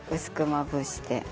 薄くまぶして。